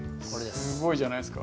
すごいじゃないですか。